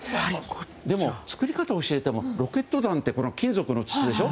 でも作り方を教えてもロケット弾って金属の筒でしょ。